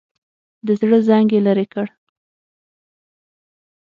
د زړه زنګ یې لرې کړ.